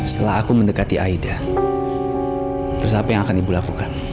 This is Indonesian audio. setelah aku mendekati aida terus apa yang akan ibu lakukan